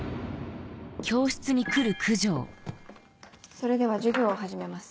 それでは授業を始めます。